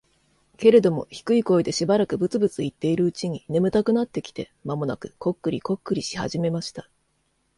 けれども、低い声でしばらくブツブツ言っているうちに、眠たくなってきて、間もなくコックリコックリし始めました。